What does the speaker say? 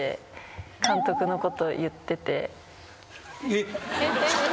えっ？